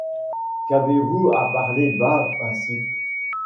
Qu’avez-vous à parler bas ainsi?